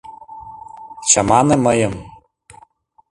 — Чамане мыйым...